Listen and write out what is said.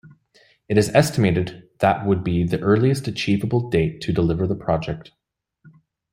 It is estimated that would be the earliest achievable date to deliver the project.